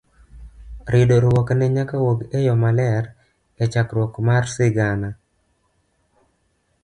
Ridruokne nyaka wuog eyo maler echakruok mar sigana.